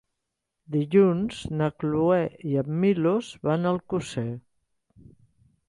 Dilluns na Cloè i en Milos van a Alcosser.